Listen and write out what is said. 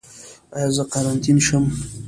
ایا زه قرنطین شم؟